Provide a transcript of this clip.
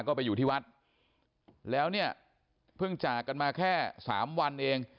ก็ไปอยู่ที่วัดแล้วเนี่ยเพิ่งจากกันมาแค่สามวันเอง